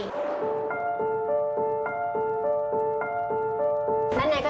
แปะทองตรงทางออก